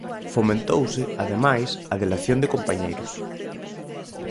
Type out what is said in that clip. Fomentouse, ademais, a delación de compañeiros.